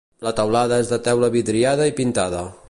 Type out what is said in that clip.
La teulada és de teula vidriada i pintada.